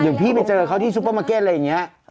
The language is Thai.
พี่ไปเจอเขาที่ซุปเปอร์มาร์เก็ตอะไรอย่างนี้